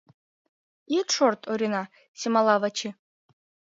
— Ит шорт, Орина!.. — семала Вачи.